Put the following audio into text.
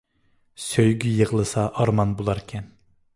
سۆيگۈ يىغلىسا ئارمان بۇلار كەن